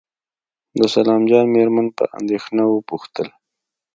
د سلام جان مېرمن په اندېښنه وپوښتل.